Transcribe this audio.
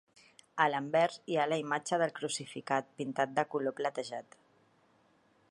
A l'anvers hi ha la imatge del crucificat, pintat de color platejat.